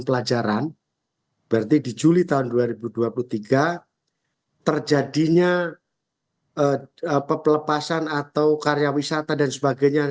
pelajaran berarti di juli tahun dua ribu dua puluh tiga terjadinya pelepasan atau karya wisata dan sebagainya